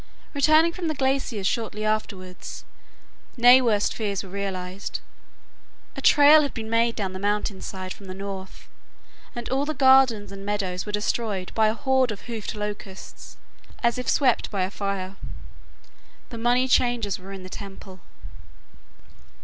Returning from the glaciers shortly afterward, nay worst fears were realized. A trail had been made down the mountain side from the north, and all the gardens and meadows were destroyed by a horde of hoofed locusts, as if swept by a fire. The money changers were in the temple.